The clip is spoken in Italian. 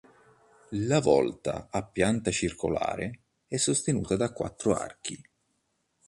La volta a pianta circolare è sostenuta da quattro archi.